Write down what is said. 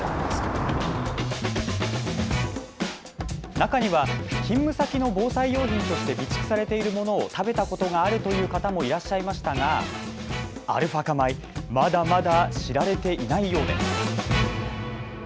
中には勤務先の防災用品として備蓄されているものを食べたことがあるという方もいらっしゃいましたがアルファ化米、まだまだ知られていないようです。